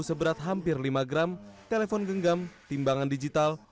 seberat hampir lima gram telepon genggam timbangan digital